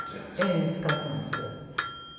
ええ使ってます。